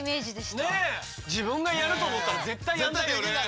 自分がやると思ったら絶対やんないよね。